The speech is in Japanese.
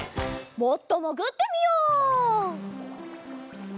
もっともぐってみよう！